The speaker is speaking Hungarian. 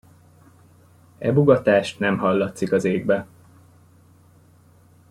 Ebugatás nem hallatszik az égbe.